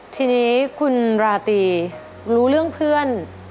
ทีนี้คุณราตรีรู้เรื่องเพื่อน